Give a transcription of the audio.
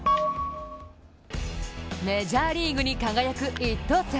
メジャーリーグに輝く１等星。